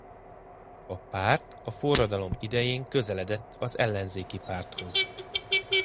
A párt a forradalom idején közeledett az Ellenzéki Párthoz.